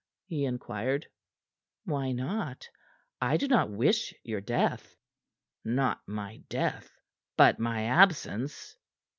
he inquired. "Why not? I do not wish your death." "Not my death but my absence?"